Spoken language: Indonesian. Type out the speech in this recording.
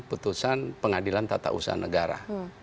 putusan pengadilan tata usaha negara